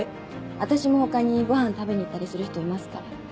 私も他にごはん食べに行ったりする人いますから。